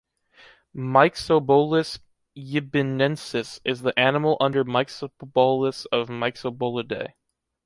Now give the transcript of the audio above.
Myxobolus yibinensis is the animal under Myxobolus of Myxobolidae.